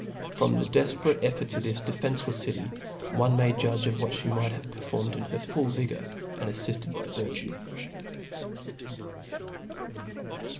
From the defperate ef forts of this defencelefs city, one may judge of what (he might have performed in her full vigour^ andafliftcd by virtue.